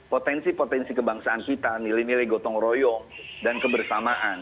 potensi potensi kebangsaan kita nilai nilai gotong royong dan kebersamaan